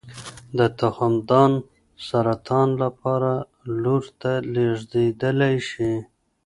د تخمدان سرطان له پلاره لور ته لېږدېدلی شي.